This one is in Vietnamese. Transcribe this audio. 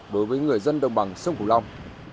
đối với người dân đồng bằng sông củ long